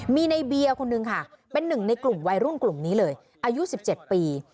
มีในเบียร์คนนึงค่ะเป็นหนึ่งในกลุ่มวัยรุ่นกลุ่มนี้เลยอายุ๑๗ปี